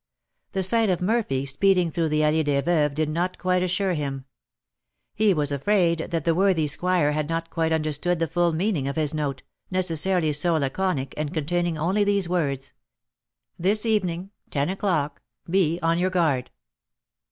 The sight of Murphy speeding through the Allée des Veuves did not quite assure him; he was afraid that the worthy squire had not quite understood the full meaning of his note, necessarily so laconic, and containing only these words: "This evening ten o'clock. Be on your guard."